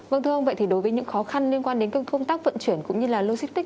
vâng thưa ông vậy thì đối với những khó khăn liên quan đến công tác vận chuyển cũng như là logistics